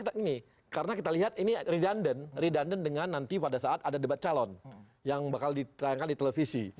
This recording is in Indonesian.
gini karena kita lihat ini redundant redundant dengan nanti pada saat ada debat calon yang bakal ditayangkan di televisi